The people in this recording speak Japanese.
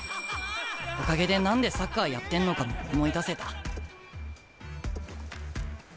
おかげで何でサッカーやってんのかも思い出せた。